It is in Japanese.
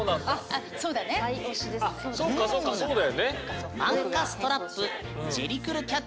あっそっかそっかそうだよね。